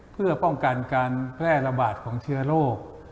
เพื่อป้องกันการแพร่ระบาดของเชื้อโรค